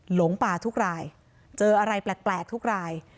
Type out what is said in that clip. หลงป่าทุกรายเจออะไรแปลกทุกราย